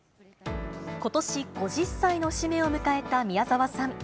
ことし５０歳の節目を迎えた宮沢さん。